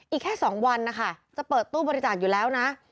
อีกแค่๒วันนะคะจะเปิดตู้บริจาคอยู่แล้วนะ